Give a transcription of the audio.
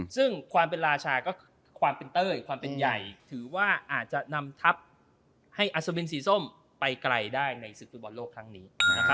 ซึ่งความเป็นราชาก็คือความเป็นเต้ยความเป็นใหญ่ถือว่าอาจจะนำทัพให้อัศวินสีส้มไปไกลได้ในศึกฟุตบอลโลกครั้งนี้